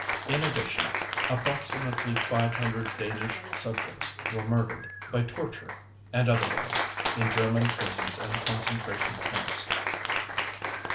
In addition, approximately 500 Danish subjects were murdered, by torture and otherwise, in German prisons and concentration camps.